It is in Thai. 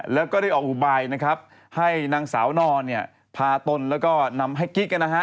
แล้วก็ได้ออกอุบายให้นางสาวนอนพาตนแล้วก็นำให้กิ๊ก